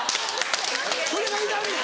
それがいらんねん！